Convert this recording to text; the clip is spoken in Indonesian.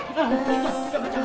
jangan jangan jangan